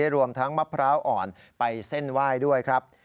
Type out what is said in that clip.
รวมทั้งมะพร้าวอ่อนไปเส้นไหว้ด้วยครับ